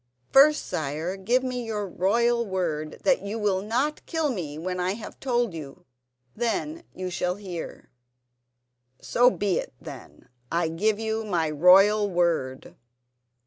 "First, sire, give me your royal word that you will not kill me when I have told you. Then you shall hear." "So be it, then; I give you my royal word."